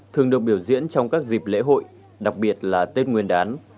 thường được biểu diễn trong các dịp lễ hội đặc biệt là tết nguyên đán